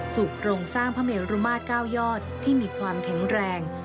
โครงสร้างพระเมรุมาตร๙ยอดที่มีความแข็งแรง